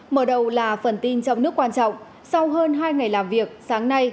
mở đầu là phần tin trong nước quan trọng sau hơn hai ngày làm việc sáng nay